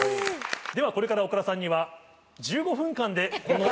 ではこれから岡田さんには。